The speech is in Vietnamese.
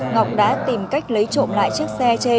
ngọc đã tìm cách lấy trộm lại chiếc xe